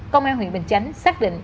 công an huyện bình chánh xác định